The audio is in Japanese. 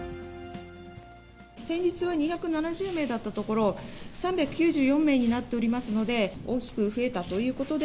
先日は２７０名だったところ、３９４名になっておりますので、大きく増えたということで。